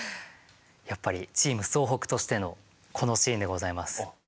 やっぱりチーム総北としてのこのシーンでございます。